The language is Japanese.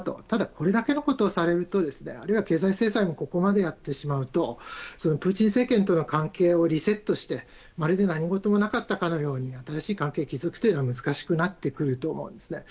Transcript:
ただ、これだけのことをされるとあるいは経済制裁もここまでやってしまうとプーチン政権との関係をリセットしてまるで何事もなかったかのように新しい関係を築くのは難しくなってくると思うんです。